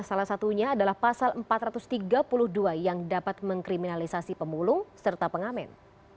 salah satunya adalah pasal empat ratus tiga puluh dua yang dapat mengkriminalisasi pemulung serta pengamen